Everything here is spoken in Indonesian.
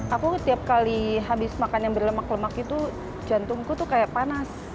aku tiap kali habis makan yang berlemak lemak itu jantungku tuh kayak panas